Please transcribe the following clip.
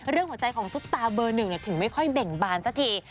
หัวใจของซุปตาเบอร์หนึ่งถึงไม่ค่อยเบ่งบานสักที